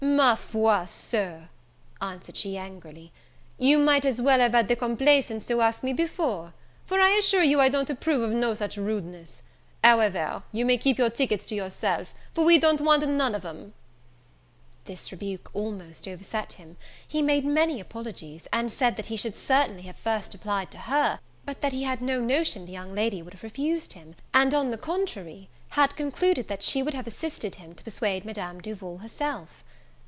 "Ma foi, Sir," answered she, angrily, "you might as well have had the complaisance to ask me before; for, I assure you, I don't approve of no such rudeness: however, you may keep your tickets to yourself, for we don't want none of 'em." This rebuke almost overset him; he made many apologies, and said that he should certainly have first applied to her, but that he had no notion the young lady would have refused him, and, on the contrary, had concluded that she would have assisted him to persuade Madame Duval herself.